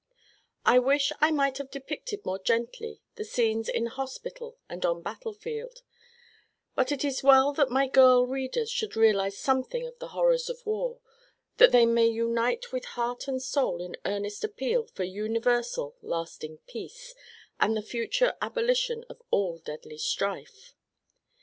I wish I might have depicted more gently the scenes in hospital and on battlefield, but it is well that my girl readers should realize something of the horrors of war, that they may unite with heart and soul in earnest appeal for universal, lasting Peace and the future abolition of all deadly strife.